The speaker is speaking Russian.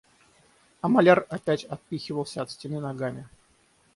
А маляр опять отпихивался от стены ногами.